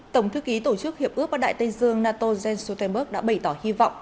tổng thư ký tổ chức hiệp ước bắc đại tây dương nato jens stoltenberg đã bày tỏ hy vọng